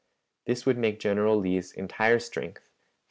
This would make General Lee's entire strength 35,255.